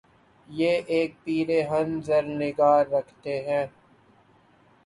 یہ ایک پیر ہنِ زر نگار رکھتے ہیں